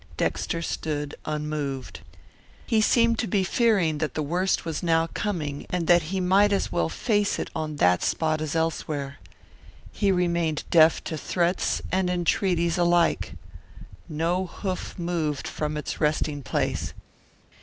Dexter stood unmoved. He seemed to be fearing that the worst was now coming, and that he might as well face it on that spot as elsewhere. He remained deaf to threats and entreaties alike. No hoof moved from its resting place.